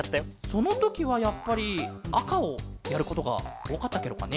そのときはやっぱりあかをやることがおおかったケロかね？